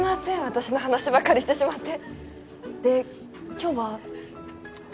私の話ばかりしてしまってで今日は？